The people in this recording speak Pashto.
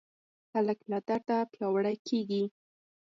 هلک له درده پیاوړی کېږي.